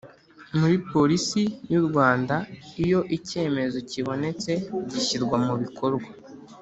muri Polisi y u Rwanda Iyo icyemezo kibonetse gishyirwa mu bikorwa.